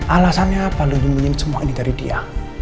alasannya apa lo nyemuin semua ini dari dia